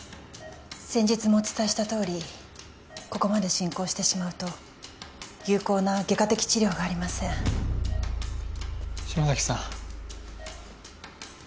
先日もお伝えしたとおりここまで進行してしまうと有効な外科的治療がありません嶋崎さん